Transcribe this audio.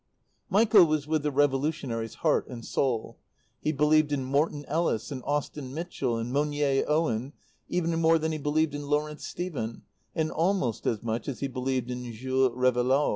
Michael was with the revolutionaries heart and soul; he believed in Morton Ellis and Austen Mitchell and Monier Owen even more than he believed in Lawrence Stephen, and almost as much as he believed in Jules Réveillaud.